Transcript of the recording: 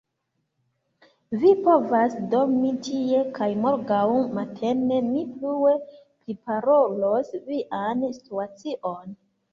Vi povas dormi tie, kaj morgaŭ matene ni plue priparolos vian situacion.